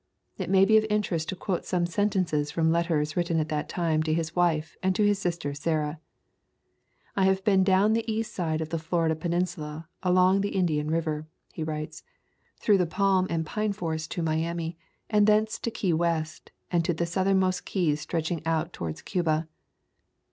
It may be of interest to quote some sentences from letters written at that time to his wife and to his sister Sarah. "I have been down the east side of the Florida peninsula along the Indian River,"' he writes, "through the palm and pine forests to Miami, and thence to Key West and the southmost keys stretching out towards Cuba.